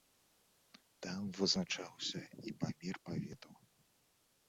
Там вызначаўся і памер паветаў.